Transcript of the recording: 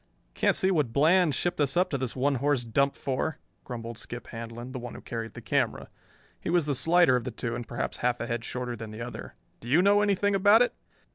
"Can't see what Bland shipped us up to this one horse dump for," grumbled Skip Handlon, the one who carried the camera. He was the slighter of the two and perhaps half a head shorter than the other. "Do you know anything about it?"